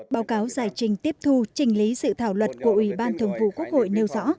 báo cáo giải trình tiếp thu trình lý dự thảo luật của ủy ban thường vụ quốc hội nêu rõ